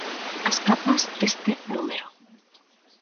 As capas deste número.